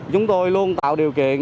chúng tôi luôn tạo điều kiện